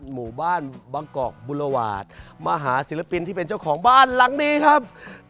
หมู่บ้านบางกอกบุรวาสมาหาศิลปินที่เป็นเจ้าของบ้านหลังนี้ครับ